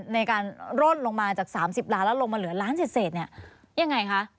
ในการร่นลงมาจาก๓๐ล้านแล้วลงมาเหลือล้านเศษเนี่ยยังไงคะ